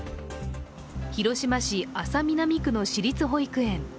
広島市安佐南区の市立保育園。